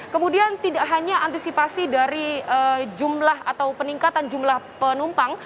kemudian tidak hanya antisipasi dari jumlah atau peningkatan jumlah penumpang